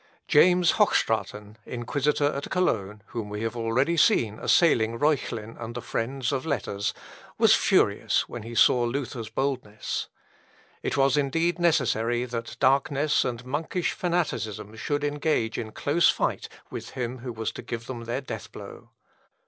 James Hochstraten, inquisitor at Cologne, whom we have already seen assailing Reuchlin and the friends of letters, was furious when he saw Luther's boldness. It was indeed necessary that darkness and monkish fanaticism should engage in close fight with him who was to give them their death blow.